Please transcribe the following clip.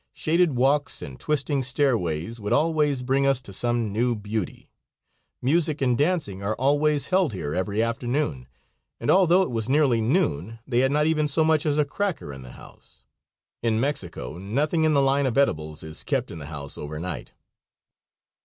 Shaded walks and twisting stairways would always bring us to some new beauty. Music and dancing are always held here every afternoon, and although it was nearly noon they had not even so much as a cracker in the house. In Mexico nothing in the line of edibles is kept in the house overnight.